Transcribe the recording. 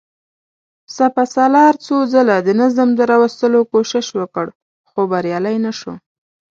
سپهسالار څو ځله د نظم د راوستلو کوشش وکړ، خو بريالی نه شو.